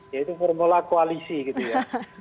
yaitu formula koalisi gitu ya